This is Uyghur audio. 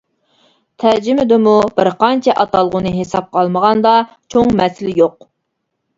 تەرجىمىدىمۇ، بىر قانچە ئاتالغۇنى ھېسابقا ئالمىغاندا، چوڭ مەسىلە يوق.